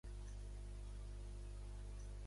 L'institut West Franklin es troba a Pomona.